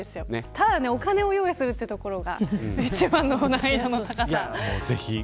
ただ、お金を用意するというところが一番の難易度の高さです。